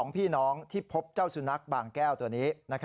พี่น้องที่พบเจ้าสุนัขบางแก้วตัวนี้